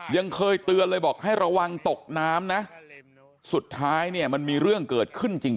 ยังเคยเตือนเลยบอกให้ระวังตกน้ำนะสุดท้ายเนี่ยมันมีเรื่องเกิดขึ้นจริง